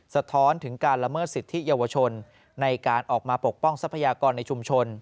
สะท้อนถึงการละเมิดสิทธิเยาวชนในการออกมาปกป้องทรัพยากรในชุมชน